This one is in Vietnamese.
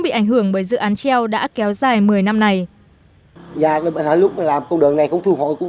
bị ảnh hưởng bởi dự án treo đã kéo dài một mươi năm này dck lúc làm con đường này cum chuông hôi cung